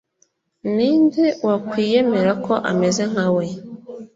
ni nde wakwiyemera ko ameze nkawe